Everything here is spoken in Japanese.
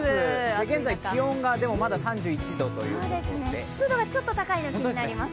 現在気温がでも３１度ということで湿度がちょっと高いので、気になります。